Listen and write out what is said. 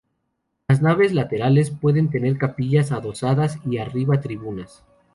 Las naves laterales pueden tener capillas adosadas y arriba, tribunas.